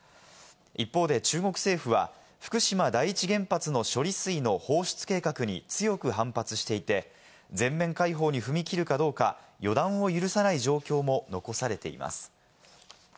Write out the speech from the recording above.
一方で中国政府は福島第一原発の処理水の放出計画に強く反発していて、全面開放に踏み切るかどうか予断を許さない状況も残されています。